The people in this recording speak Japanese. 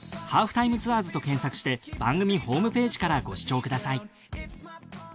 『ハーフタイムツアーズ』と検索して番組ホームページからご視聴ください。